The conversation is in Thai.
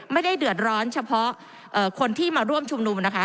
ไม่ได้เดือดร้อนเฉพาะคนที่มาร่วมชุมนุมนะคะ